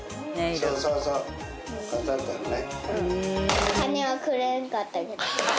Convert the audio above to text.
そうそうそう買ってやったのね。